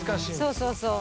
そうそうそう。